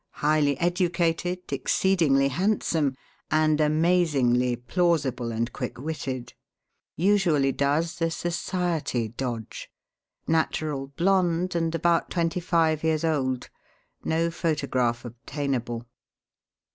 Highly educated, exceedingly handsome, and amazingly plausible and quick witted. Usually does the 'society dodge.' Natural blonde, and about twenty five years old. No photograph obtainable."